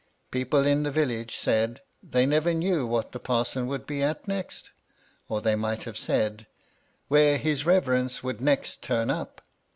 People in the village said, " they never knew what the parson would be at next;" or they might have said " where his reverence would next turn up.